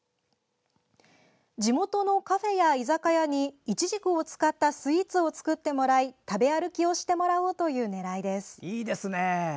地元のカフェや居酒屋にいちじくを使ったスイーツを作ってもらい、食べ歩きをしてもらおうという狙いです。